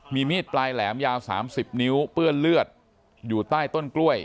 มีมีดปลายแหลมยาว๓๐นิ้วเปื้อนเลือดอยู่ใต้ต้นกล้วย